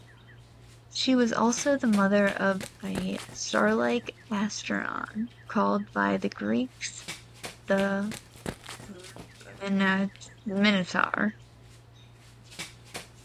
She was also the mother of "starlike" Asterion, called by the Greeks the Minotaur.